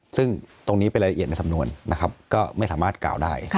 ซึ่งตรงนี้เป็นรายละเอียดในสำนวนนะครับก็ไม่สามารถกล่าวได้